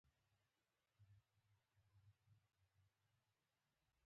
غوا که توره ده شيدې یی سپيني دی .